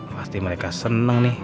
pasti mereka seneng nih